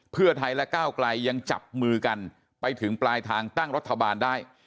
เพื่อไทยและก้าวไกลยังจับมือกันไปถึงปลายทางตั้งรัฐบาลได้